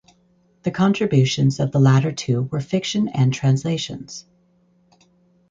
The contributions of the latter two were fiction and translations.